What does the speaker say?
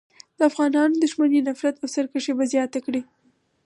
د افغانانو دښمني، نفرت او سرکښي به زیاته کړي.